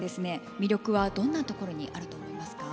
魅力はどんなところにあると思いますか？